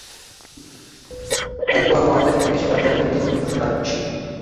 একবার ওয়াসা কেটে গেছে, তার কয়েক দিন পরেই সিটি করপোরেশন কাটছে।